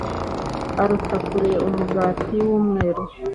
Uruta Kure Umugati wUmweru